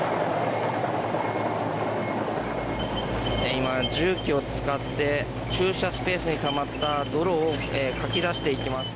今、重機を使って駐車スペースにたまった泥をかき出していきます。